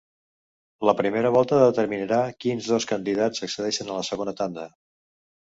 La primera volta determinarà quins dos candidats accedeixen a la segona tanda.